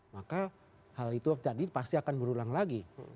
maka hal itu terjadi pasti akan berulang lagi